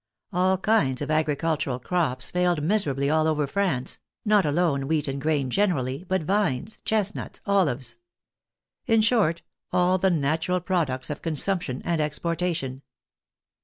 All kinds of agricultural crops failed miserably all over France, not alone wheat and grain generally, but vines, chestnuts, olives; in short, all the natural products of consumption and exportation.